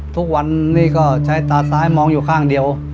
ทุกวันนี้ก็ใช้ตาซ้ายมองอยู่ข้างเดียว